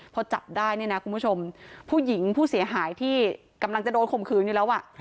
พอจับได้เนี่ยนะคุณผู้ชมผู้หญิงผู้เสียหายที่กำลังจะโดนข่มขืนอยู่แล้ว